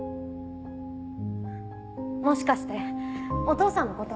もしかしてお父さんのこと？